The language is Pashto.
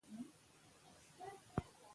اول زه پوهه نه وم